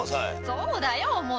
そうだよ。